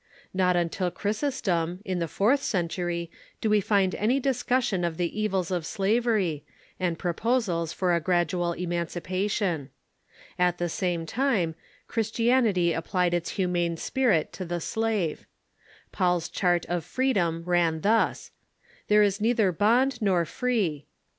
Not till Chrysostom, in the fourth century, do we find any discussion of the evils of slavery, and proposals for a gradual emancipation. At the same time, Christianity applied its humane spirit to the slave. Paul's chart of freedom ran thus :" There is neither bond nor free."